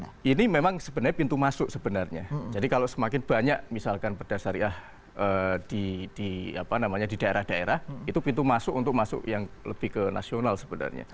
nah ini memang sebenarnya pintu masuk sebenarnya jadi kalau semakin banyak misalkan perda syariah di daerah daerah itu pintu masuk untuk masuk yang lebih ke nasional sebenarnya